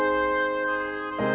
kayaknya baer read ik idea kuho